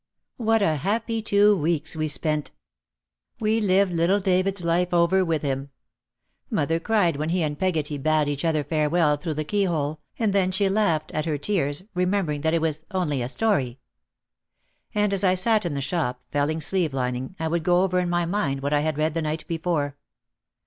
What a happy two weeks we spent! We lived little David's life over with him. Mother cried when he and Peggotty bade each other farewell through the keyhole, and then she laughed, at her tears, remembering that it was "only a story." And as I sat in the shop, felling sleeve lining, I would go over in my mind what I had read the night before.